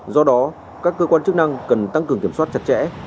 do đó các cơ quan chức năng cần tăng cường kiểm soát chặt chẽ